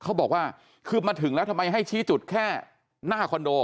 เขาบอกว่าคือมาถึงแล้วทำไมให้ชี้จุดแค่หน้าคอนโด